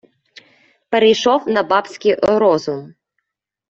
перейшов на бабский розум